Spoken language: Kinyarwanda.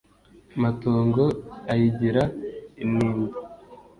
matungo ayigira intindo